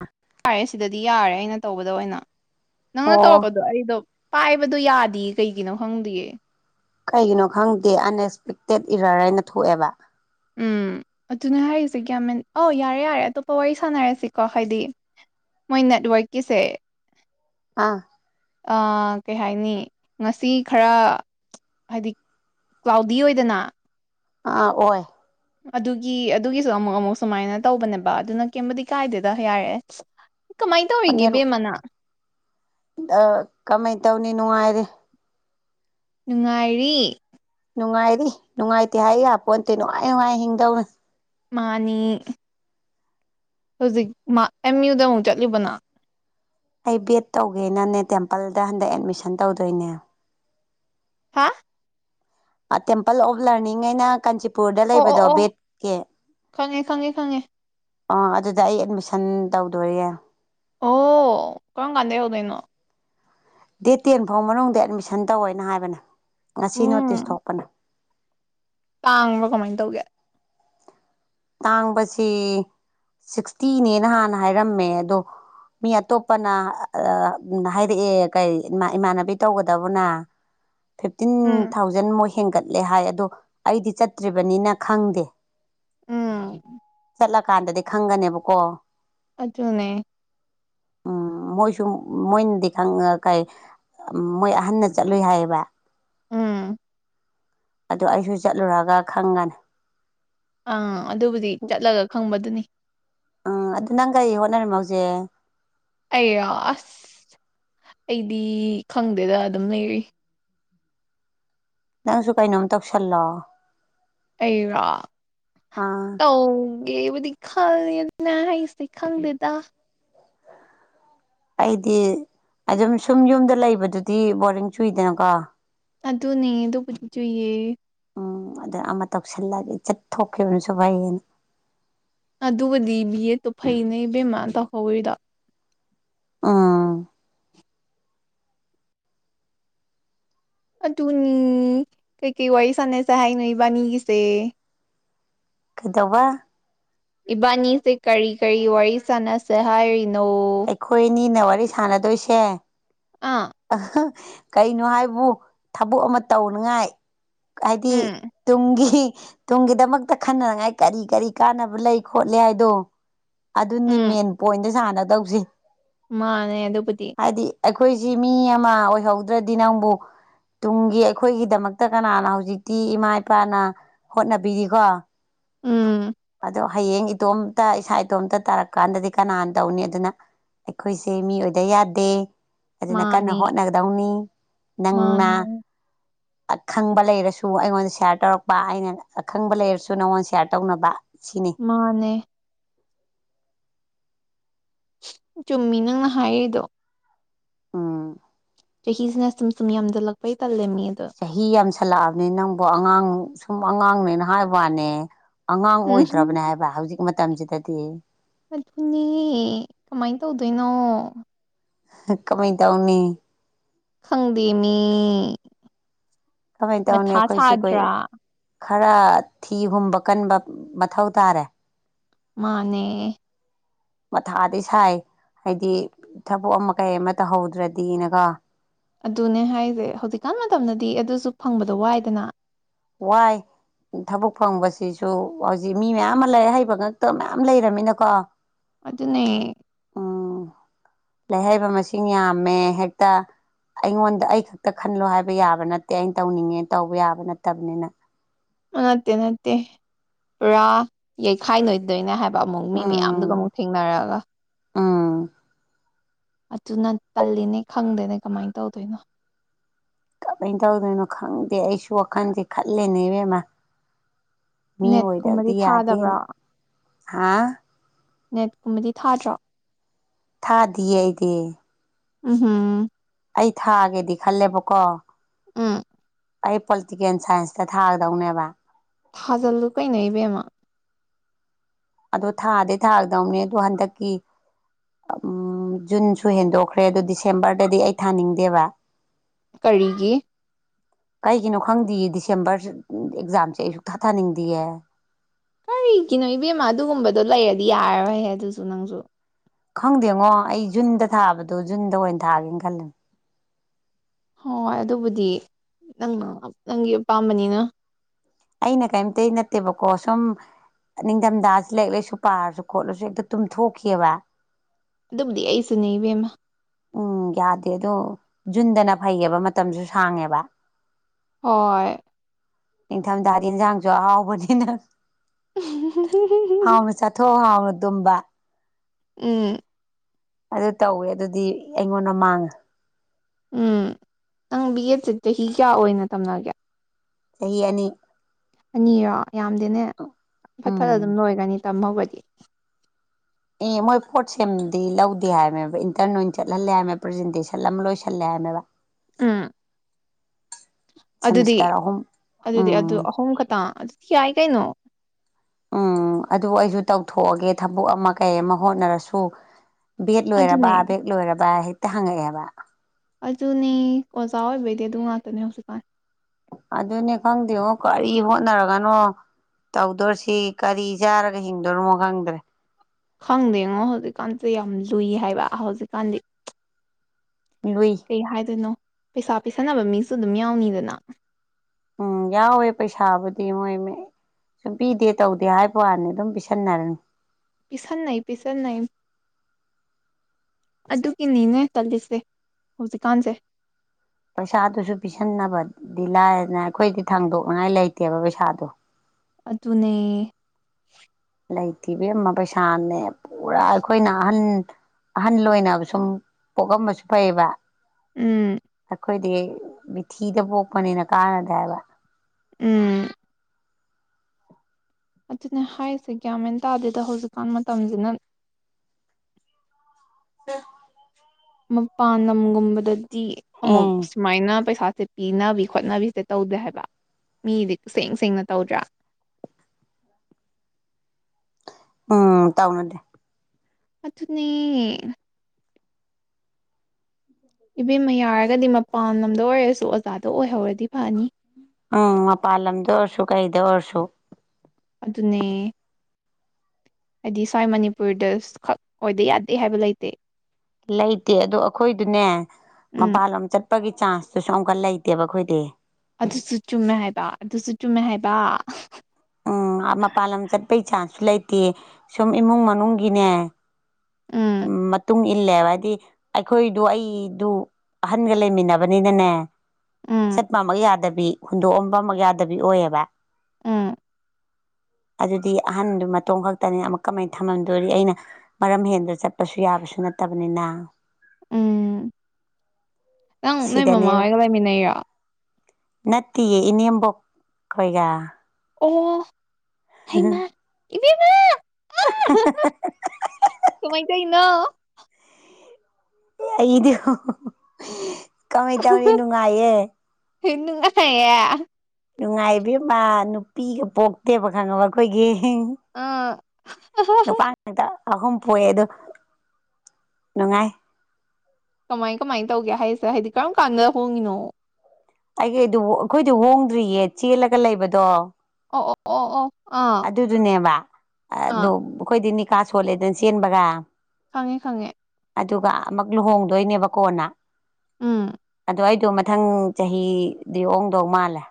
ꯍ ꯌꯥꯔꯦ ꯁꯤꯗꯗꯤ ꯌꯥꯔꯦ ꯑꯩꯅ ꯇꯧꯕꯗ ꯑꯣꯏꯅ ꯅꯪꯅ ꯑꯣ ꯇꯧꯔꯛꯄ ꯑꯗꯣ ꯑꯩꯗꯣ ꯄꯥꯏꯕꯗꯣ ꯌꯥꯗ ꯀꯩꯒꯤꯅꯣ ꯈꯪꯗꯌꯦꯦ ꯀꯩꯒꯤꯅꯣ ꯈꯪꯗꯦ ꯑꯟꯑꯁꯄꯦꯛꯇꯦꯠ ꯏꯔꯔ ꯍꯥꯏꯅ ꯊꯣꯛꯑꯦꯕ ꯎꯝ ꯑꯗꯨꯅ ꯍꯥꯏꯔꯤꯁꯦ ꯭ꯃꯟꯅ ꯑꯧ ꯌꯥꯔꯦ ꯌꯥꯔꯦ ꯑꯇꯣꯞꯄ ꯋꯥꯔꯤ ꯁꯥꯟꯅꯔꯁꯤꯀꯣ ꯍꯥꯏꯗꯤ ꯃꯣꯏ ꯅꯦꯠꯋꯔꯛꯀꯤꯁꯦ ꯑꯥ ꯀꯩ ꯍꯥꯏꯥꯏꯅꯤ ꯉꯁꯤ ꯈꯔ ꯍꯥꯏꯗꯤ ꯀ꯭ꯂꯥꯎꯗꯤ ꯑꯣꯏꯗꯅ ꯑꯥ ꯍꯣꯏ ꯑꯗꯨꯒꯤ ꯑꯗꯨꯒꯤꯁꯨ ꯑꯃꯨꯛ ꯑꯃꯨꯛ ꯁꯨꯃꯥꯏꯅ ꯇꯧꯕꯅꯦꯕ ꯑꯗꯨꯅ ꯀꯦꯝꯕꯗꯤ ꯀꯥꯏꯗꯦꯗ ꯌꯥꯔꯦ ꯏ ꯀ ꯃꯩꯗꯧꯔꯤꯒ ꯦꯃꯅꯥ ꯑ ꯀꯃꯥꯏ ꯇꯧꯅꯤ ꯅꯨꯡꯉꯥꯏꯔꯤꯦ ꯅꯨꯡꯉꯥꯏꯔꯤ ꯅꯨꯡꯉꯥꯏꯔꯤ ꯅꯨꯡꯉꯥꯏꯇꯦ ꯍꯥꯏꯌꯦ ꯄꯣꯟꯇꯦ ꯅꯨꯡꯉꯥꯏ ꯅꯨꯡꯉꯥꯏ ꯍꯤꯡꯗꯧꯅꯤ ꯃꯥꯅꯤ ꯍꯧꯖꯤꯛ ꯃꯥ ꯑꯦꯝ ꯌꯨꯗ ꯑꯃꯨꯛ ꯆꯠꯂꯤꯕꯅ ꯑꯩ ꯕꯤꯦꯠ ꯇꯧꯒꯦꯅꯅꯦ ꯇꯦꯝꯄꯜꯗ ꯍꯟꯗꯛ ꯑꯦꯗꯃꯤꯁꯟ ꯇꯧꯗꯣꯏꯅꯦ ꯍꯥ ꯇꯦꯝꯄꯜ ꯑꯣꯐ ꯂꯔꯅꯤꯡ ꯑꯩꯅ ꯀꯥꯟꯆꯤꯄꯨꯔꯗ ꯑꯣ ꯑꯣ ꯂꯩꯕꯗꯣ ꯑꯣ ꯕꯦꯠꯀꯤꯦ ꯈꯪꯉꯦ ꯈꯪꯉꯦ ꯈꯪꯉꯦ ꯑ ꯑꯗꯨꯗ ꯑꯩ ꯑꯦꯠꯃꯤꯁꯟ ꯇꯧꯗꯣꯔꯤꯌꯦ ꯑꯣ ꯀꯔꯝ ꯀꯥꯟꯗ ꯍꯧꯧꯗꯣꯏꯅꯣ ꯗꯦꯠ ꯇꯦꯟ ꯐꯥꯎ ꯃꯅꯨꯡꯗ ꯑꯦꯗꯃꯤꯁꯟ ꯇꯧꯋꯦꯅ ꯍꯥꯏꯕꯅꯦ ꯉꯁꯤ ꯅꯣꯇꯤꯁ ꯊꯣꯛꯄꯅꯦ ꯇꯥꯡꯕ꯭ꯔꯥ ꯀꯃꯥꯏꯅ ꯇꯧꯒꯦ ꯇꯥꯡꯕꯁꯦ ꯁꯤꯛꯁꯇꯤꯅꯦꯅ ꯍꯥꯟꯅ ꯍꯥꯏꯔꯝꯃꯦ ꯑꯗꯣ ꯃꯤ ꯑꯇꯣꯞꯄꯅ ꯍꯥꯏꯔꯛꯑꯦ ꯀꯩꯥ ꯏꯃꯥꯟꯅꯕꯤ ꯇꯧꯒꯗꯕꯅ [inaudible] ꯐꯤꯐꯇꯤꯟ ꯎꯝ ꯊꯥꯎꯖꯟ ꯃꯨꯛ ꯍꯦꯟꯒꯠꯂꯦ ꯍꯥꯏ ꯑꯗꯣ ꯑꯩꯗꯤ ꯆꯠꯇ꯭ꯔꯤꯕꯅꯤꯅ ꯈꯪꯗꯦ ꯎꯝ ꯆꯠꯂꯀꯥꯟꯗꯗꯤ ꯈꯪꯒꯅꯦꯕꯀꯣ ꯑꯗꯨꯅꯦ ꯎꯝ ꯃꯣꯏꯁꯨ ꯃꯣꯏꯅꯗꯤ ꯀꯩ ꯃꯣꯏ ꯑꯍꯟꯅ ꯆꯠꯂꯨꯏ ꯍꯥꯏꯌꯦꯕ ꯎꯝ ꯑꯗꯨ ꯑꯩꯁꯨ ꯆꯠꯂꯨꯔꯒ ꯈꯪꯒꯅꯤ ꯑꯥ ꯑꯗꯨꯕꯨꯗꯤ ꯆꯠꯂꯒ ꯈꯪꯕꯗꯨꯅꯤ ꯎꯝ ꯑꯗꯨ ꯅꯪ ꯀꯔꯤ ꯍꯣꯠꯅꯔꯤꯝꯃ ꯍꯧꯁꯦ ꯑꯩꯔꯥ ꯑꯁ ꯑꯩꯗꯤ ꯈꯪꯗꯦꯗ ꯑꯗꯨꯝ ꯂꯩꯔꯤ ꯅꯪꯁꯨ ꯀꯩꯅꯣꯝ ꯇꯧꯁꯜꯂꯣ ꯑꯩꯔ ꯑꯥ ꯇꯧ ꯒꯕꯨꯗꯤ ꯈꯪꯅ ꯍꯥꯏ ꯁꯤ ꯈꯪꯗꯦꯗ ꯑꯩꯗꯤ ꯑꯗꯨꯝ ꯁꯨꯝ ꯌꯨꯝꯗ ꯂꯩꯕꯗꯨꯗꯤ ꯕꯣꯔꯤꯡ ꯆꯨꯏꯗꯅꯀꯣ ꯑꯗꯨꯅꯦ ꯑꯗꯨ ꯄꯨꯆꯨꯌꯦ ꯎꯝ ꯑꯗꯨꯗ ꯑꯃ ꯇꯧꯁꯜꯂꯒꯦ ꯆꯠꯊꯣꯛꯈꯤꯕꯅꯁꯨ ꯐꯚꯩꯌꯦꯅ ꯑꯗꯨꯒꯕꯨꯗꯤ ꯕꯤ ꯑꯦꯠꯇꯣ ꯐꯩꯅꯦ ꯏꯕꯦꯝꯃꯅ ꯇꯧꯍꯧꯔꯤꯗꯣ ꯑꯥ ꯑꯗꯨꯅꯤ ꯀꯩꯀꯩ ꯋꯥꯔꯤ ꯁꯥꯟꯅꯩꯁꯦ ꯍꯥꯏꯅꯣꯏ ꯏꯕꯥꯅꯤꯒꯤꯁꯦ ꯀꯗꯧꯕ ꯏꯕꯥꯅꯤꯁꯦ ꯀꯔꯤ ꯀꯔꯤ ꯋꯥꯔꯤ ꯁꯥꯟꯅꯁꯦ ꯍꯥꯏꯔꯤꯅꯣ ꯑꯩꯈꯣꯏ ꯑꯅꯤꯅ ꯋꯥꯔꯤ ꯁꯥꯟꯅꯗꯣꯏꯁꯦ ꯑꯥ ꯑ ꯀꯩꯅꯣ ꯍꯥꯏꯕꯨ ꯊꯕꯛ ꯑꯃ ꯇꯧꯅꯤꯉꯥꯏ ꯍꯥꯏꯗꯤ ꯎꯝ ꯇꯨꯡꯒꯤꯤ ꯇꯨꯡꯒꯤꯗꯃꯛꯇ ꯈꯟꯅꯅꯉꯥꯏ ꯀꯔꯤ ꯀꯔꯤ ꯀꯥꯟꯅꯕ ꯂꯩ ꯈꯣꯠꯂꯤ ꯍꯥꯏꯗꯣ ꯑꯗꯨꯅꯤ ꯎꯝ ꯃꯦꯟ ꯄꯣꯏꯟꯗ ꯁꯥꯟꯅꯗꯧꯁꯤ ꯃꯥꯅꯦ ꯑꯗꯨꯕꯨꯗꯤ ꯍꯥꯏꯗꯤ ꯑꯩꯈꯣꯏꯁꯤ ꯃꯤ ꯑꯃ ꯑꯣꯏꯍꯧꯗ꯭ꯔꯗꯤ ꯅꯪꯕꯨ ꯇꯨꯡꯒꯤ ꯑꯩꯈꯣꯏꯒꯤꯗꯃꯛꯇ ꯀꯅꯥꯅ ꯍꯧꯖꯤꯛꯇꯤ ꯏꯃꯥ ꯏꯄꯥꯅ ꯍꯣꯠꯅꯕꯤꯔꯤꯀꯣ ꯎꯝ ꯑꯗꯣ ꯍꯌꯦꯡ ꯏꯇꯣꯝꯇ ꯏꯁꯥ ꯏꯇꯣꯝꯇ ꯇꯥꯔꯛꯀꯥꯟꯗꯗꯤ ꯀꯅꯥꯅ ꯇꯧꯅꯤ ꯑꯗꯨꯅ ꯑꯩꯈꯣꯏꯁꯦ ꯃꯤ ꯑꯣꯏꯗ ꯌꯥꯗꯦ ꯑꯗꯨꯅ ꯃꯥꯅꯤ ꯀꯟꯅ ꯍꯣꯠꯅꯒꯗꯧꯅꯤ ꯅꯪꯅ ꯃꯥꯅꯦ [inaudible] [inaudible] ꯑꯈꯪꯕ ꯂꯩꯔꯁꯨ ꯑꯩꯉꯣꯟꯗ ꯁꯤꯌꯥꯔ ꯇꯧꯔꯛꯄ ꯑꯩꯅ ꯑꯈꯪꯕ ꯂꯩꯔꯁꯨ ꯅꯪꯉꯣꯟꯗ ꯁꯤꯌꯥꯔ ꯇꯧꯅꯕ ꯁꯤꯅꯤ ꯃꯥꯅꯦ ꯆꯨꯝꯃꯤ ꯅꯪꯅ ꯍꯥꯏꯔꯤꯗꯣ ꯑꯥ ꯍꯁꯤꯅ ꯁꯨꯝ ꯁꯨꯝ ꯌꯥꯝꯟꯊꯠꯂꯛꯄꯩ ꯇꯜꯂꯦꯃꯤ ꯑꯗꯣ ꯍꯤ ꯌꯥꯝꯁꯜꯂꯛꯑꯕꯅꯤ ꯅꯪꯕꯨ ꯑꯉꯥꯡ ꯁꯨꯝ ꯑꯉꯥꯡꯅꯦꯅ ꯍꯥꯏꯕꯅꯦ ꯑꯉꯥꯡ ꯎꯝ ꯑꯣꯏꯗ꯭ꯔꯕꯅꯦ ꯍꯥꯏꯕ ꯍꯧꯖꯤꯛ ꯃꯇꯝꯁꯤꯗꯗꯤ ꯃꯨꯅꯦ ꯀꯃꯥꯏꯅ ꯇꯧꯗꯣꯏꯅꯣ ꯀꯃꯩ ꯇꯎꯅꯤ ꯈꯪꯗꯦ ꯃꯤ ꯀꯃꯥꯏꯅ ꯇꯧꯅꯤ ꯃꯊꯥ ꯑꯩꯈꯣꯏꯁꯤ ꯑꯩꯈꯣꯏ ꯁꯥꯗ꯭ꯔꯥ ꯈꯔ ꯊꯤ ꯍꯨꯝꯕ ꯀꯟꯕ ꯃꯊꯧ ꯇꯥꯔꯦ ꯃꯥꯅꯦ ꯃꯊꯥꯗꯤ ꯁꯥꯏ ꯍꯥꯏꯗꯤ ꯊꯕꯛ ꯑꯃ ꯀꯩ ꯑꯃ ꯇꯧꯍꯧꯗ꯭ꯔꯗꯤꯅꯒ ꯑꯗꯨꯅꯦ ꯍꯥꯏꯁꯦ ꯍꯧꯖꯤꯛꯀꯥꯟ ꯃꯇꯝꯗꯗꯤ ꯑꯗꯨꯁꯨ ꯐꯪꯕꯗꯣ ꯋꯥꯏꯗꯅ ꯋꯥꯏ ꯊꯕꯛ ꯐꯪꯕꯁꯤꯁꯨ ꯍꯧꯖꯤꯛ ꯃꯤ ꯃꯌꯥꯝ ꯑꯃ ꯂꯩ ꯍꯩꯕ ꯉꯛꯇ ꯃꯌꯥꯝ ꯂꯩꯔꯕꯃꯤꯅꯀꯣ ꯑꯗꯨꯅꯦ ꯂꯩꯥꯏꯍꯩꯕ ꯃꯁꯤꯡ ꯌꯥꯝꯃꯦ ꯍꯦꯛꯇ ꯑꯩꯉꯣꯟꯗ ꯑꯩ ꯈꯛꯇ ꯈꯟꯂꯣ ꯍꯥꯏꯕ ꯌꯥꯕ ꯅꯠꯇꯦ ꯑꯩꯅ ꯇꯧꯅꯤꯡꯉꯦ ꯇꯧꯕ ꯌꯥꯕ ꯅꯠꯇꯕꯅꯤꯅ ꯅꯠꯇꯦ ꯅꯠꯇꯦ ꯄꯨꯔꯥ ꯌꯩꯈꯥꯏ ꯅꯣꯏꯗꯣꯏꯅꯦ ꯍꯥꯏꯕ ꯃ ꯎꯝ ꯊꯦꯡꯔ ꯎꯝ ꯑꯗꯨꯅ ꯇꯜꯂꯤꯅꯦ ꯈꯪꯗꯦꯅꯦ ꯀꯃꯥꯏꯅ ꯇꯧꯗꯣꯏꯅꯣ ꯀꯃꯥꯏꯅ ꯇꯧꯗꯣꯏꯅꯣ ꯈꯪꯗꯦ ꯑꯩꯁꯨ ꯋꯥꯈꯟꯁꯦ ꯈꯜꯂꯦꯅꯦꯕꯦꯝꯃ ꯃꯤ ꯅꯦꯠꯀꯨꯝꯕꯗꯤ ꯑꯣꯏꯗꯕꯗꯤ ꯌꯥꯗꯦꯅ ꯊꯥꯗꯕ꯭ꯔꯥ ꯍꯥ ꯅꯦꯠꯀꯨꯝꯕꯗꯤ ꯊꯥꯗ꯭ꯔꯣ ꯊꯥꯗꯤꯌꯦ ꯑꯩꯗꯤ ꯎꯝꯍꯝ ꯑꯩ ꯊꯥꯒꯦꯗꯤ ꯈꯜꯂꯦꯕꯀꯣ ꯑ ꯑꯩ ꯄꯣꯂꯤꯇꯤꯀꯦꯜ ꯁꯥꯏꯟꯁꯇ ꯊꯥꯒꯗꯧꯅꯦꯕ ꯊꯥꯖꯜꯂꯨ ꯀꯩꯅꯣ ꯏꯕꯦꯝꯃ ꯑꯗꯣ ꯊꯥꯗꯤ ꯊꯥꯒꯗꯧꯅꯦ ꯑꯗꯣ ꯍꯟꯗꯛꯀꯤ ꯝ ꯖꯨꯟꯁꯨ ꯍꯦꯟꯗꯣꯛꯈ꯭ꯔꯦ ꯑꯗꯨ ꯗꯤꯁꯦꯝꯕꯔꯗꯗꯤ ꯑꯩ ꯊꯥꯅꯤꯡꯗꯦꯕ ꯀꯔꯤꯒꯤꯦ ꯀꯩꯒꯤꯅꯣ ꯈꯪꯗꯦ ꯗꯤꯁꯦꯝꯕꯔ ꯑꯦꯛꯖꯥꯝꯁꯦ ꯑꯩꯁꯨ ꯊꯥꯊꯅꯤꯡꯗꯦꯌꯦ ꯀꯔꯤꯒꯤꯅꯣ ꯏꯕꯦꯝꯃ ꯑꯗꯨꯒꯨꯝꯕꯗꯣ ꯂꯩꯔꯗꯤ ꯌꯥꯔꯔꯣꯏꯍꯦ ꯑꯗꯨꯁꯨ ꯅꯪꯁꯨ ꯈꯪꯗꯦꯉꯣ ꯑꯩ ꯖꯨꯟꯗ ꯊꯥꯕꯗꯣ ꯖꯨꯟꯗ ꯑꯣꯏꯅ ꯊꯥꯒꯦꯅ ꯈꯜꯂꯦ ꯍꯣꯏ ꯍꯣꯏ ꯑꯗꯨꯕꯨꯗꯤ ꯅꯪꯅ ꯅꯪꯒꯤ ꯑꯄꯥꯝꯕꯅꯤꯅ ꯑꯩꯅ ꯀꯔꯤꯝꯇ ꯅꯠꯇꯦꯕꯀꯣ ꯁꯨꯝ ꯅꯤꯡꯊꯝꯊꯥꯁꯤ ꯂꯥꯏꯛ ꯂꯥꯏꯁꯨ ꯄꯥꯔꯁꯨ ꯈꯣꯠꯂꯁꯨ ꯍꯦꯛꯇ ꯇꯨꯝꯊꯣꯛꯈꯤꯑꯕ ꯑꯗꯨꯕꯨꯗꯤ ꯑꯩꯁꯨ ꯅ ꯏꯕꯦꯝꯃ ꯎꯝ ꯌꯥꯗꯦ ꯑꯗꯣ ꯖꯨꯟꯗꯅ ꯐꯩꯌꯦꯕ ꯃꯇꯝꯁꯨ ꯁꯥꯡꯉꯦꯕ ꯍꯣꯏ ꯅꯤꯡꯊꯝꯊꯥꯗꯤ ꯏꯟꯖꯥꯡꯁꯨ ꯑꯍꯥꯎꯕꯅꯤ ꯅꯪ ꯍꯥꯎꯅ ꯆꯠꯊꯣꯛ ꯍꯥꯎꯅ ꯇꯝꯕ ꯎꯝ ꯑꯗꯨ ꯇꯧꯋꯦ ꯑꯗꯨꯗꯤ ꯑꯩꯉꯣꯟꯗ ꯃꯥꯡꯉꯦ ꯎꯝ ꯅꯪ ꯕꯤ ꯑꯦꯗꯁꯦ ꯆꯍꯤ ꯀꯌꯥ ꯑꯣꯏꯅ ꯇꯝꯅꯒꯦ ꯆꯍꯤ ꯑꯅꯤ ꯑꯅꯤꯔꯣ ꯌꯥꯝꯗꯤꯦꯅꯦ ꯐꯠ ꯐꯠ ꯑꯗꯨꯝ ꯎꯝ ꯂꯣꯏꯒꯅꯤ ꯇꯝꯍꯧꯕꯗꯤ ꯑꯦ ꯃꯣꯏ ꯐꯣꯔꯠ ꯁꯦꯝꯗꯤ ꯂꯧꯗꯦ ꯍꯥꯏꯕꯃꯦꯕ ꯏꯟꯇꯔꯟ ꯑꯣꯏꯅ ꯆꯠꯍꯜꯂꯦ ꯍꯥꯏꯕꯃꯦ ꯄ꯭ꯔꯖꯦꯟꯇꯦꯁꯟ ꯑꯃ ꯂꯣꯏꯁꯜꯂꯦ ꯍꯥꯏꯕꯃꯦꯕ ꯎꯝ ꯑꯗꯨꯗꯤ ꯁꯦꯃꯤꯁꯇꯔ ꯑꯍꯨꯝ ꯑꯗꯨꯗꯤ ꯑꯗꯨ ꯎꯝ ꯑꯍꯨꯝ ꯈꯛꯇꯪ ꯑꯗꯨꯗꯤ ꯌꯥꯏ ꯀꯩꯅꯣ ꯎꯝ ꯑꯗꯨ ꯑꯩꯁꯨ ꯇꯧꯊꯣꯛꯑꯒꯦ ꯊꯕꯛ ꯑꯃ ꯀꯩ ꯑꯃ ꯍꯣꯠꯅꯔꯁꯨ ꯕꯦꯠ ꯂꯣꯏꯔꯕ ꯑꯗꯨꯅꯦ ꯕꯦꯦꯛ ꯂꯣꯏꯔꯕ ꯍꯦꯛꯇ ꯍꯪꯉꯛꯑꯦꯕ ꯑꯗꯨꯅꯦ ꯑꯣꯖꯥ ꯑꯣꯏꯕꯩꯗꯤ ꯑꯗꯨ ꯉꯥꯛꯇꯅꯦ ꯍꯧꯖꯤꯛꯀꯥꯟ ꯑꯗꯨꯅꯦ ꯈꯪꯗꯦꯉ ꯀꯔꯤ ꯍꯣꯠꯅꯔꯒꯅꯣ ꯇꯧꯗꯣꯔꯁꯤ ꯀꯔꯤ ꯆꯥꯔꯒ ꯍꯤꯡꯗꯣꯔꯤꯃꯣ ꯈꯪꯗ꯭ꯔꯦ ꯈꯪꯗꯦꯉꯣ ꯍꯧꯖꯤꯛꯀꯥꯟꯁꯦ ꯌꯥꯝ ꯂꯨꯏ ꯍꯥꯏꯕ ꯍꯧꯖꯤꯛꯀꯥꯟꯗꯤ ꯂꯨꯏ ꯀꯩ ꯍꯥꯏꯗꯣꯏꯅꯣ ꯄꯩꯁꯥ ꯄꯁꯟꯅꯕ ꯃꯤꯁꯨ ꯑꯗꯨꯝ ꯌꯥꯎꯅꯤꯗꯅ ꯎꯝ ꯌꯥꯎꯋꯦ ꯄꯩꯁꯥꯕꯨꯗꯤ ꯃꯣꯏꯃꯦ ꯁꯨꯝ ꯄꯤꯗꯦ ꯇꯧꯗꯦ ꯍꯥꯏꯕ ꯋꯥꯅꯤ ꯑꯗꯨꯝ ꯄꯤꯁꯟꯅꯔꯅꯤ ꯄꯤꯁꯟꯅ ꯄꯤꯁꯟ ꯅ ꯑꯗꯨꯒꯤꯅꯤꯅꯦ ꯇꯜꯂꯤꯁꯦ ꯍꯧꯖꯤꯛꯀꯥꯟꯁꯦ ꯄꯩꯁꯥꯗꯨꯁꯨ ꯄꯤꯁꯟꯅꯕꯗꯤ ꯂꯥꯏꯅ ꯑꯩꯈꯣꯏꯗꯤ ꯊꯥꯡꯗꯣꯛꯅꯤꯡꯉꯥꯏ ꯂꯩꯇꯦꯕ ꯄꯩꯁꯥꯗꯣ ꯑꯗꯨꯅꯦ ꯂꯩꯇꯦ ꯏꯕꯦꯝꯃ ꯄꯩꯁꯥꯅꯦ ꯄꯨꯔꯥ ꯑꯩꯈꯣꯏꯅ ꯑꯍꯟ ꯑꯍꯟ ꯑꯣꯏꯅ ꯁꯨꯝ ꯄꯣꯛꯑꯝꯕꯁꯨ ꯐꯩꯌꯦꯕ ꯎꯝ ꯑꯩꯈꯣꯏꯗꯤ ꯕꯤꯊꯤꯗ ꯄꯣꯛꯄꯅꯤꯅ ꯀꯥꯟꯅꯗ꯭ꯔꯦꯕ ꯎꯝ ꯑꯗꯨꯅꯦ ꯍꯥꯏꯔꯤꯁꯦ ꯒ꯭ꯌꯥꯃꯥꯏꯦꯟ ꯇꯥꯗꯦꯗ ꯍꯧꯖꯤꯛꯀꯥꯟ ꯃꯇꯝꯁꯤꯅ ꯍ [unintelligible] ꯃꯄꯥꯟꯅꯒꯨꯝꯕꯗꯗꯤ ꯑꯃꯨꯛ ꯎꯝ ꯁꯨꯃꯥꯏꯅ ꯄꯩꯁꯥꯁꯦ ꯄꯤꯅꯕꯤ ꯈꯣꯠꯅꯕꯤꯁꯦ ꯇꯧꯗꯦ ꯍꯥꯏꯕ ꯃꯤꯗꯤ ꯁꯦꯡ ꯁꯦꯡꯅ ꯇꯧꯗ꯭ꯔꯥ ꯎꯝ ꯇꯧꯅꯗꯦ ꯑꯗꯨꯅꯦ ꯏꯕꯦꯝꯃ ꯌꯥꯔꯒꯗꯤ ꯃꯄꯥꯟ ꯂꯝꯗ ꯑꯣꯏꯔꯁꯨ ꯑꯣꯖꯥꯗ ꯑꯣꯏꯍꯧꯔꯗꯤ ꯐꯅꯤ ꯎꯝ ꯃꯄꯜ ꯂꯝꯗ ꯑꯣꯏꯔꯁꯨ ꯀꯩꯗ ꯑꯣꯏꯔꯁꯨ ꯑꯗꯨꯅꯦ ꯍꯥꯏꯗꯤ ꯁ꯭ꯋꯥꯏ ꯃꯅꯤꯄꯨꯔꯗ ꯈꯛ ꯑꯣꯏꯗ ꯌꯥꯗꯦ ꯍꯥꯏꯕ ꯂꯩꯇꯦ ꯂꯩꯇꯦ ꯑꯗꯣ ꯑꯩꯈꯣꯏꯗꯨꯅꯦ ꯎꯝ ꯃꯄꯥꯟꯂꯣꯝ ꯆꯠ ꯆꯠꯄꯒꯤ ꯆꯥꯟꯁꯇꯨꯁꯨ ꯑꯃꯨꯛꯀ ꯂꯩꯇꯦꯕ ꯑꯩꯈꯣꯏꯗꯤ ꯑꯗꯨꯁꯨ ꯆꯨꯝꯃꯦ ꯍꯥꯏꯕ ꯑꯗꯨꯁꯨ ꯆꯨꯝꯃꯦ ꯍꯥꯏꯕ ꯎꯝ ꯃꯄꯥꯟ ꯂꯝ ꯆꯠꯄꯩ ꯆꯥꯟꯁꯁꯨ ꯂꯩꯇꯦ ꯁꯨꯝ ꯏꯃꯨꯡ ꯃꯅꯨꯡꯒꯤꯅꯦ ꯎ ꯎꯝ ꯃꯇꯨꯡ ꯏꯜꯂꯦꯕ ꯍꯥꯏꯗꯤ ꯑꯩꯈꯣꯏꯗꯨ ꯑꯩꯗꯨ ꯑꯍꯟꯒ ꯂꯩꯃꯤꯟꯅꯕꯅꯤꯅꯅꯦ ꯎꯝ ꯆꯠꯄ ꯑꯃꯛ ꯌꯥꯗꯕꯤ ꯍꯨꯟꯗꯣꯛꯑꯝꯕ ꯑꯃꯛ ꯌꯥꯗꯕꯤ ꯑꯣꯏꯌꯦꯕ ꯎꯝ ꯑꯗꯨꯗꯤ ꯑꯍꯟꯗꯨ ꯃꯇꯣꯟ ꯈꯛꯇꯅꯦ ꯑꯃꯨꯛ ꯀꯃꯥꯏꯅ ꯊꯝꯃꯝꯗꯣꯔꯤ ꯑꯩꯅ ꯃꯔꯝ ꯍꯦꯟꯗ ꯆꯠꯄꯁꯨ ꯌꯥꯕꯁꯨ ꯅꯠꯇꯕꯅꯤꯅ ꯎꯝ ꯅꯪ ꯅꯣꯏ ꯁꯤꯗꯅꯦ ꯃꯃꯥ ꯍꯣꯏꯒ ꯂꯩꯃꯤꯟꯅꯩꯔꯣ ꯅꯠꯇꯦꯌꯦ ꯏꯅꯦꯝꯕꯣꯛ ꯑꯩꯣꯏꯒ ꯑꯣ ꯍꯩꯃꯥ ꯏꯕꯦꯝꯃ ꯑꯣꯍꯣꯍꯣ ꯀꯥꯃꯥꯏ ꯇꯧꯔꯤꯅꯣ ꯑꯩꯗꯤ ꯀꯃꯥꯏ ꯇꯧꯅꯤ ꯅꯨꯡꯉꯥꯏꯌꯦ ꯍ ꯅꯨꯅꯨꯡꯉꯁꯦ ꯅꯨꯡꯉꯥꯏꯕꯃ ꯅꯨꯄꯤꯒ ꯄꯣꯛꯇꯦꯕ ꯈꯪꯉꯕ ꯑꯩꯈꯣꯏꯒꯤ ꯑ ꯅꯨꯄꯥ [unintelligible] ꯑꯍꯨꯝ ꯄꯣꯛꯑꯦ ꯑꯗꯨ ꯅꯨꯡꯉꯥꯏ ꯀꯃꯥꯏ ꯀꯃꯥꯏꯅ ꯇꯧꯒꯦ ꯍꯥꯏꯁꯦ ꯍꯥꯏꯗꯤ ꯀꯔꯝ ꯀꯥꯟꯗ ꯍꯣꯡꯉꯤꯅꯣ ꯑꯩꯩ ꯑꯩꯈꯣꯏꯗꯤ ꯍꯣꯡꯗ꯭ꯔꯤꯌꯦ ꯆꯦꯜꯂꯒ ꯂꯩꯕꯗꯣ ꯑꯣ ꯑꯣ ꯑꯣ ꯑꯣ ꯑꯥ ꯑꯗꯨꯗꯨꯅꯦꯕ ꯑꯥ ꯑꯗꯨꯣ ꯑꯩꯈꯣꯏꯗꯤ ꯅꯤꯀꯥ ꯁꯣꯜꯂꯦꯗꯅ ꯆꯦꯟꯕꯒ ꯈꯪꯉꯦ ꯈꯪꯉꯦ ꯑꯗꯨꯒ ꯑꯃꯨꯛ ꯂꯨꯍꯣꯡꯗꯣꯏꯅꯦꯕ ꯀꯣꯟꯅ ꯎꯝ ꯑꯗꯣ ꯑꯩꯗꯣ ꯃꯊꯪ ꯆꯍꯤꯗꯤ ꯑꯣꯡꯗꯧ ꯃꯥꯜꯂꯦ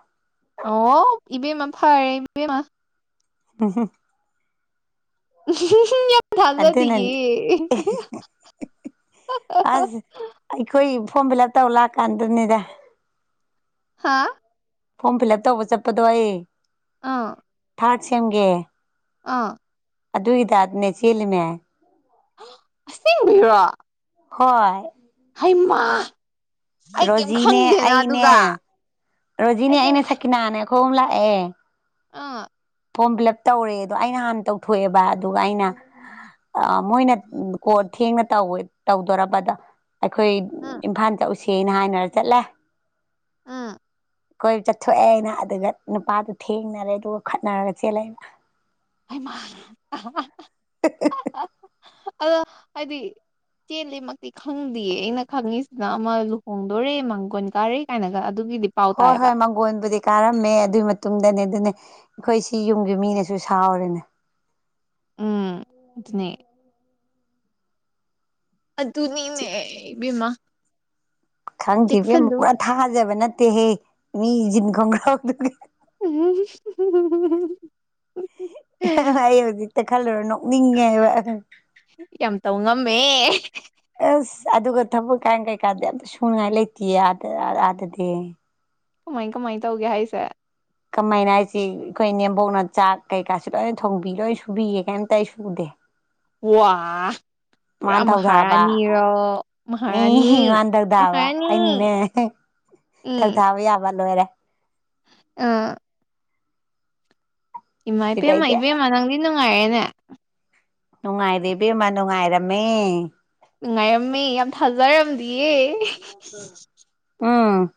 ꯑꯣ ꯏꯕꯦꯝꯃ ꯐꯥꯔꯦ ꯏꯕꯦꯝꯃ ꯑ [unintelligible] ꯌꯥꯝ ꯑꯗꯨꯅ ꯊꯥꯖꯗꯤꯌꯦ ꯑꯁ ꯑꯩꯈꯣꯏ ꯐꯣꯝ ꯐꯤꯜ ꯑꯞ ꯇꯧ ꯂꯥꯛꯑꯀꯥꯟꯗꯨꯅꯤꯗ ꯍꯥꯥ ꯐꯣꯝ ꯐꯤꯜ ꯑꯞ ꯇꯧꯕ ꯆꯠꯄꯗꯣ ꯑꯩ ꯑꯥ ꯊꯥꯔꯠ ꯁꯦꯝꯒꯤ ꯑꯥ ꯑꯗꯨꯒꯤꯗ ꯇꯥꯏꯞꯅꯦ ꯆꯦꯜꯂꯤꯃꯦ ꯑꯁꯦꯡꯕꯩꯔꯣ ꯍꯣꯏ ꯍꯩꯃꯥ ꯑꯩ ꯀꯔꯤꯝ ꯈꯪꯗꯦꯅ ꯑꯗꯨꯒ ꯔꯣꯖꯤꯅꯦ ꯑꯩ ꯀꯩꯝ ꯑꯩꯅꯦ ꯁꯛꯀꯤꯅꯥꯅꯦ ꯑꯩꯈꯣꯏ ꯑꯍꯨꯝ ꯂꯥꯛꯑꯦ ꯑꯥ ꯐꯣꯝ ꯐꯤꯜ ꯑꯞ ꯇꯧꯔꯦ ꯑꯗꯣ ꯑꯩꯅ ꯍꯥꯟꯅ ꯇꯧꯊꯣꯛꯑꯦꯕ ꯑꯗꯨꯒ ꯑꯩꯅ ꯑ ꯃꯣꯏꯅ ꯀꯣꯟ ꯊꯦꯡꯅ ꯇꯧꯋꯦ ꯇꯧꯗꯣꯔꯄꯗ ꯑꯩꯈꯣꯏ ꯎꯝ ꯏꯝꯐꯥꯜ ꯆꯠꯎꯁꯦꯅ ꯍꯥꯏꯅꯔ ꯆꯠꯂꯦ ꯎꯝ ꯀꯣꯏ ꯆꯠꯊꯣꯛꯑꯦ ꯑꯩꯅ ꯑꯗꯨꯒ ꯅꯨꯄꯥꯗꯨ ꯊꯦꯡꯅꯔꯦ ꯑꯗꯨꯒ ꯈꯠꯅꯔꯒ ꯆꯦꯜꯂꯛꯑꯦꯕ ꯍꯩꯃꯥ ꯍꯥꯍꯥ ꯑꯗꯣ ꯍꯥꯏꯗꯤ ꯆꯦꯜꯂꯦꯃꯛꯇꯤ ꯈꯪꯗꯦꯌꯦ ꯑꯩꯅ ꯈꯪꯉꯤꯁꯤꯅ ꯑꯃ ꯂꯨꯍꯣꯡꯗꯣꯔꯦ ꯃꯥꯡꯒꯣꯟ ꯀꯥꯔꯦ ꯀꯥꯏꯅꯒ ꯑꯗꯨꯒꯤꯗꯤ ꯄꯥꯎ ꯍꯣꯏ ꯇꯥꯏꯌꯦꯕ ꯍꯣꯏ ꯃꯥꯒꯣꯏꯟꯕꯨꯗꯤ ꯀꯥꯔꯝꯃꯦ ꯑꯗꯨꯒꯤ ꯃꯇꯨꯡꯗꯅꯦ ꯑꯗꯨꯅꯦ ꯑꯩꯈꯣꯏ ꯁꯤ ꯌꯨꯝꯒꯤ ꯃꯤꯅꯁꯨ ꯁꯥꯎꯔꯤꯅꯦ ꯎꯝ ꯑꯗꯨꯅꯦ ꯑꯗꯨꯅꯤꯃꯤ ꯏꯕꯦꯃꯥ ꯈꯪꯗꯦ ꯏꯕꯦꯝꯃ ꯄꯨꯔꯥ ꯊꯥꯖꯕ ꯅꯠꯇꯦꯍꯦ ꯃꯤꯁꯤ ꯖꯤꯟ ꯈꯣꯡꯒ꯭ꯔꯥꯎꯗꯨꯒ ꯎꯝ [unintelligible] ꯑꯩ ꯍꯧꯖꯤꯛꯇ ꯈꯜꯂꯨꯔ ꯅꯣꯛꯅꯤꯡꯉꯦꯕ ꯌꯥꯝ ꯇꯧ ꯉꯝꯃꯦ ꯑꯁ ꯑꯗꯨꯒ ꯊꯕꯛꯀꯥꯟ ꯀꯩꯀꯥꯗꯤ ꯑꯝꯇ ꯁꯨꯅꯤꯡꯉꯥꯏ ꯂꯩꯇꯦ ꯑꯥꯗ ꯑꯥꯗꯗꯤ ꯀꯃꯥꯏ ꯀꯃꯥꯏ ꯇꯧꯒꯦ ꯍꯥꯏꯁꯦ ꯀꯃꯥꯏꯅ ꯍꯥꯏꯁꯤ ꯑꯩꯈꯣꯏ ꯏꯅꯦꯝꯕꯣꯛꯅ ꯆꯥꯛ ꯀꯩꯀꯥꯥꯁꯨ ꯂꯣꯏ ꯊꯣꯡꯕꯤ ꯂꯣꯏ ꯁꯨꯕꯤꯌꯦ ꯀꯩꯝꯇ ꯑꯩ ꯁꯨꯗꯦ ꯋꯥ ꯃꯥꯟꯅ ꯄꯨꯔꯥ ꯊꯧꯊꯥꯕ ꯃꯍꯥꯔꯥꯅꯤꯔꯣ ꯃꯍꯥꯔꯥꯅꯤ ꯃꯥꯟꯅ ꯊꯧꯊꯥꯕ ꯃꯍꯥꯔꯥꯅꯤ ꯑꯩꯅꯅꯦ ꯊꯧ ꯊꯥꯕ ꯌꯥꯕ ꯂꯣꯏꯔꯦ ꯑꯝ ꯏꯃꯥꯏ ꯄꯦꯝꯃ ꯁꯤꯗꯩꯗꯤ ꯏꯕꯦꯝꯃ ꯅꯪꯗꯤ ꯅꯨꯡꯉꯥꯏꯔꯦꯅꯦ ꯅꯨꯡꯉꯥꯏꯔꯦ ꯏꯕꯦꯝꯃ ꯅꯨꯡꯉꯥꯏꯔꯝꯃꯦ ꯅꯨꯡꯉꯥꯏꯔꯝꯃꯦ ꯌꯥꯝ ꯊꯥꯖꯔꯝꯗꯤꯌꯦ ꯎꯝ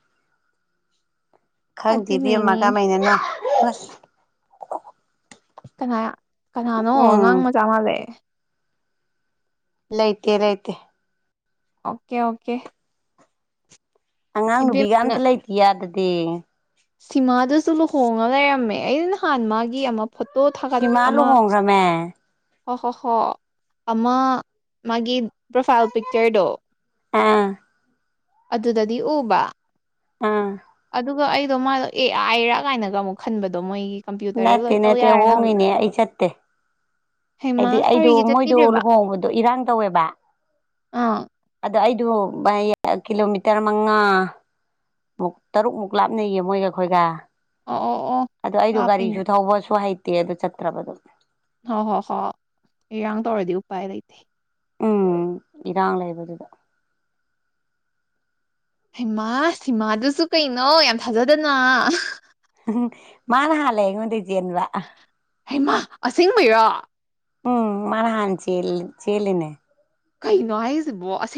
ꯈꯪꯗꯦ ꯏꯕꯦꯝꯃ ꯑꯗꯨꯅꯦꯃꯤ ꯀꯃꯥꯏꯅꯅꯣ ꯑꯁꯁ ꯀꯅꯥ ꯀꯅꯥꯅꯣ ꯎꯝ ꯑꯉꯥꯡ ꯃꯆꯥ ꯃꯥꯜꯂꯦ ꯂꯩꯇꯦ ꯂꯩꯥꯇꯦ ꯑꯣꯀꯦ ꯑꯣꯀꯦ ꯑꯉꯥꯡ ꯏꯕꯦꯝ ꯅꯨꯄꯤꯒ ꯑꯝꯇ ꯂꯩꯇꯤꯌꯦ ꯑꯥꯗꯗꯤ ꯁꯤꯃꯥꯗꯨꯁꯨ ꯂꯨꯍꯣꯡꯉ ꯂꯩꯔꯝꯃꯦ ꯑꯩꯅ ꯅꯍꯥꯟ ꯃꯥꯒꯤ ꯑꯃ ꯐꯣ ꯇꯣ ꯊꯥꯒꯠ ꯁꯤꯃꯥ ꯑꯃ ꯂꯨꯍꯣꯡꯈ꯭ꯔꯃꯦ ꯍꯣ ꯍꯣ ꯍꯣ ꯑꯃ ꯃꯥꯒꯤ ꯄ꯭ꯔꯣꯐꯥꯏꯜ ꯄꯤꯛꯆꯔꯗꯣ ꯑꯥ ꯑꯗꯨꯗꯗꯤ ꯎꯕ ꯑꯥ ꯑꯗꯨ ꯑꯗꯨꯒ ꯑꯩꯗꯣ ꯃꯥꯗꯣ ꯑꯦ ꯑꯥꯏꯔꯥ ꯀꯥꯏꯅꯒ ꯑꯃꯨꯛ ꯈꯟꯕꯗꯣ ꯃꯣꯏꯒꯤ ꯀꯝꯄ꯭ꯌꯨꯇꯔꯗ ꯅꯠꯇꯦ ꯂꯣꯏ ꯇꯧ ꯅꯠꯇꯦ ꯌꯥꯔꯦꯅ ꯍꯧꯖꯤꯛ ꯍꯣꯡꯉꯤꯅꯦ ꯑꯩ ꯆꯠꯇꯦ ꯍꯩꯃ ꯍꯥꯏꯗꯤ ꯑꯩꯗꯣ ꯀꯔꯤꯒꯤ ꯃꯣꯏꯗꯣ ꯆꯠꯄꯤꯗ꯭ꯔꯤꯕ ꯂꯨꯍꯣꯡꯕꯗꯣ ꯏꯔꯥꯡ ꯇꯧꯋꯦꯕ ꯑꯥ ꯑꯗꯣ ꯑꯩꯗꯨ ꯀꯤꯂꯣꯃꯤꯇꯔ ꯃꯉꯥ ꯃꯨꯛ ꯇꯔꯨꯛꯃꯨꯛ ꯂꯥꯞꯅꯩꯌꯦ ꯃꯣꯏꯒ ꯑꯩꯈꯣꯏꯒ ꯑꯣ ꯑꯣ ꯑꯣ ꯑꯗꯨꯗ ꯑꯩꯗꯣ ꯂꯥꯞꯄꯤꯅꯦ ꯒꯥꯔꯤꯁꯨ ꯊꯧꯕꯁꯨ ꯍꯩꯇꯦ ꯇꯦ ꯑꯗꯨ ꯆꯠꯇ꯭ꯔꯕ ꯑꯗꯨ ꯍꯣꯏ ꯍꯣꯏ ꯍꯣꯏ ꯏꯔꯥꯡ ꯇꯧꯔꯗꯤ ꯎꯄꯥꯏ ꯂꯩꯇꯦ ꯎꯝ ꯏꯔꯥꯡ ꯂꯩꯕꯗꯨꯗ ꯍꯩꯃꯥ ꯁꯤꯃꯥꯗꯨꯁꯨ ꯀꯩꯅꯣ ꯌꯥꯝ ꯊꯥꯖꯗꯅ ꯃꯥꯅ ꯍꯥꯟꯂꯦ ꯑꯩꯉꯣꯟꯗꯩ ꯆꯦꯟꯕ ꯍꯩꯃ ꯑꯁꯦꯡꯕꯩꯔꯣ ꯎꯝ ꯃꯥꯅ ꯍꯥꯟ ꯆꯦꯜ ꯆꯦꯜꯂꯤꯅꯦ ꯀꯩꯅꯣ ꯍꯥꯏꯁꯤꯕꯣ ꯑꯁ